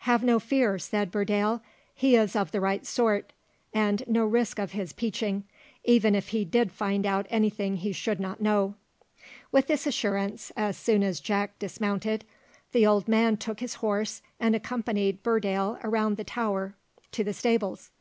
"Have no fear," said Burdale; "he is of the right sort, and no risk of his peaching, even if he did find out any thing he should not know." With this assurance, as soon as Jack dismounted, the old man took his horse, and accompanied Burdale round the tower to the stables.